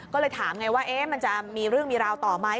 ก็เลยถามไงว่ามันจะมีเรื่องมีราวต่อไหม